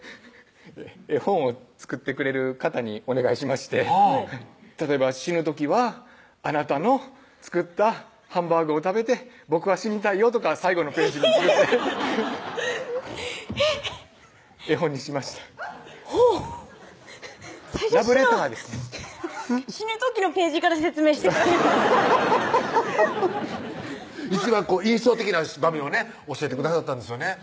絵本を作ってくれる方にお願いしまして例えば「死ぬ時はあなたの作ったハンバーグを食べて僕は死にたいよ」とか最後のページにえっ絵本にしましたほうラブレターですね死ぬ時のページから説明してくれるんですね一番印象的な場面をね教えてくださったんですよね